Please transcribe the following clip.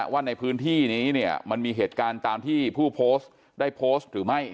ว่าในพื้นที่นี้เนี่ยมันมีเหตุการณ์ตามที่ผู้โพสต์ได้โพสต์หรือไม่